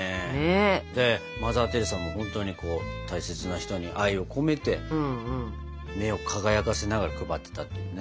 でマザー・テレサも本当に大切な人に愛を込めて目を輝かせながら配ってたっていうね。